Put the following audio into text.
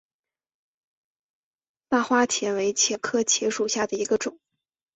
大花茄为茄科茄属下的一个种。